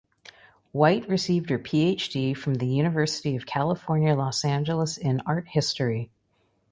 Wight received her PhD from the University of California Los Angeles in art history.